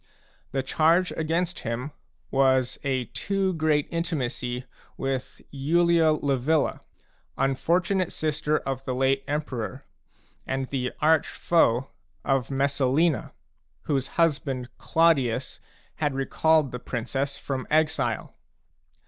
The charge against him was a too great intimacy with Iulia Livilla, unfortunate sister of the late emperor, and the arch foe of Messalina, whose husband, Claudius, had recalled the princess from exile.